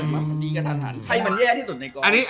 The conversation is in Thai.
ไพ่มันแย่ที่สุดในก้อน